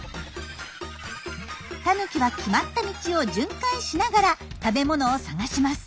タヌキは決まった道を巡回しながら食べ物を探します。